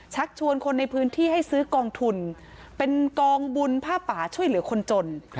ชวนคนในพื้นที่ให้ซื้อกองทุนเป็นกองบุญผ้าป่าช่วยเหลือคนจน